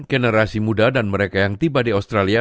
generasi muda dan mereka yang tiba di australia